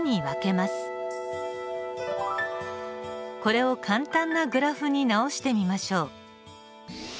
これを簡単なグラフに直してみましょう。